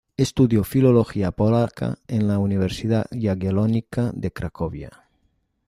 Estudió filología polaca en la Universidad Jagellónica de Cracovia.